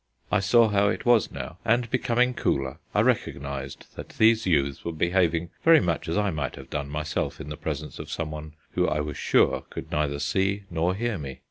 I saw how it was now, and, becoming cooler, I recognized that these youths were behaving very much as I might have done myself in the presence of someone who I was sure could neither see nor hear me.